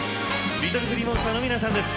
ＬｉｔｔｌｅＧｌｅｅＭｏｎｓｔｅｒの皆さんです。